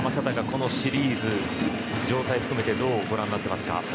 このシリーズ状態を含めてどうご覧になってますか。